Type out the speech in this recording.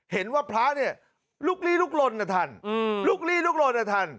เห็นว่าพระลูกลี่ลูกลนน่ะท่าน